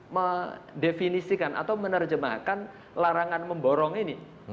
mendefinisikan atau menerjemahkan larangan memborong ini